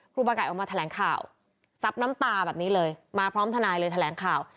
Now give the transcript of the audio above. ครูบาไก่ออกมาแถลงข่าวซับน้ำตาแบบนี้เลยมาพร้อมทนายเลยแถลงข่าว